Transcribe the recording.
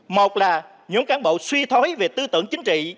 một là nhóm cán bộ suy thói về tư tưởng chính trị